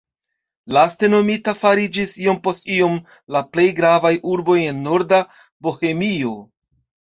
Laste nomitaj fariĝis iom post iom la plej gravaj urboj en norda Bohemio.